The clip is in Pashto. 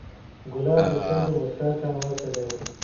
ګلاب د شونډو موسکا ته ورته دی.